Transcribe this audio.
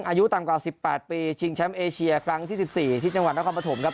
อายุต่ำกว่า๑๘ปีชิงแชมป์เอเชียครั้งที่๑๔ที่จังหวัดนครปฐมครับ